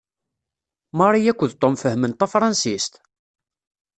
Mary akked Tom fehhmen tafṛansist?